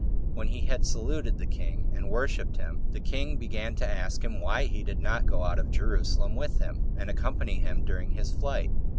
When he had saluted the king, and worshipped him, the king began to ask him why he did not go out of Jerusalem with him, and accompany him during his flight.